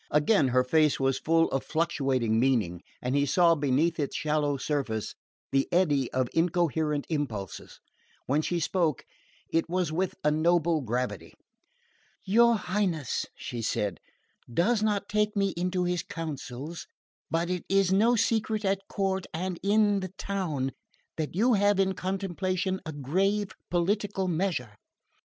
Again her face was full of fluctuating meaning; and he saw, beneath its shallow surface, the eddy of incoherent impulses. When she spoke, it was with a noble gravity. "Your Highness," she said, "does not take me into your counsels; but it is no secret at court and in the town that you have in contemplation a grave political measure."